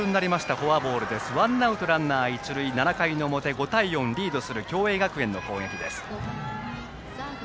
フォアボールでワンアウトランナー、一、二塁７回の表、５対４リードする共栄学園の攻撃です。